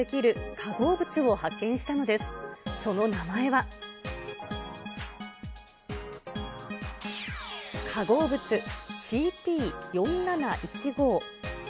化合物、ＣＰ４７１５。